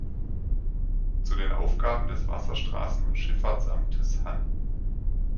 Zu den Aufgaben des Wasserstraßen- und Schifffahrtsamtes Hann.